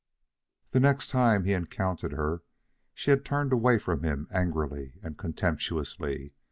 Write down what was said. The next time he encountered her she had turned away from him angrily and contemptuously.